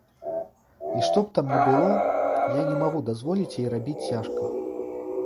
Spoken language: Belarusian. І што б там ні было, я не магу дазволіць ёй рабіць цяжка.